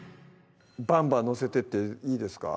バンバン載せてっていいですか？